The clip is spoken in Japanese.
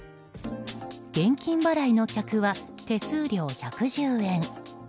現金払いの客は手数料１１０円。